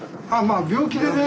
あ病気でね